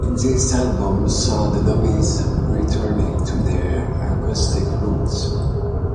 This album saw the Dummies returning to their acoustic roots.